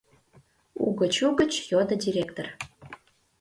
— угыч-угыч йодо директор.